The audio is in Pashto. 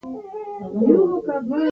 او کله چي زه تاته مخه ښه وایم